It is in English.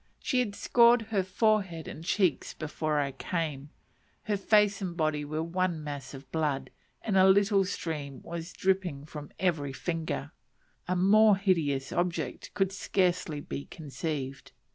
She had scored her forehead and cheeks before I came; her face and body were one mass of blood, and a little stream was dropping from every finger: a more hideous object could scarcely be conceived.